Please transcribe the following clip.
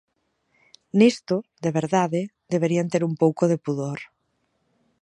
Nisto, de verdade, deberían ter un pouco de pudor.